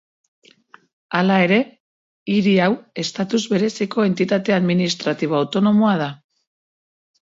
Hala ere, hiri hau estatus bereziko entitate administratibo autonomoa da.